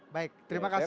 baik terima kasih